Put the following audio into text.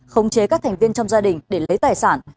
khống chế các thành viên trong gia đình để lấy tài sản